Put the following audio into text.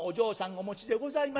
お持ちでございましてね